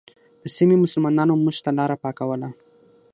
د سیمې مسلمانانو موږ ته لاره پاکوله.